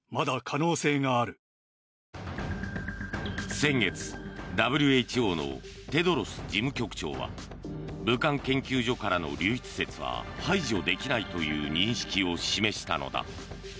先月ＷＨＯのテドロス事務局長は武漢研究所からの流出説は排除できないという認識を示したのだ。